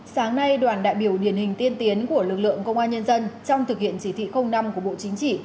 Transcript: sáng nay đoàn đại biểu điển hình tiên tiến của lực lượng công an nhân dân trong thực hiện chỉ thị năm của bộ chính trị